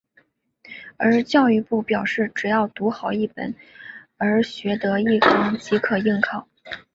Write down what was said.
而教育部表示只要读好一本而学得一纲即可应考。